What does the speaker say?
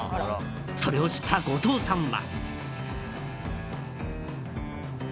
それを知った後藤さんは。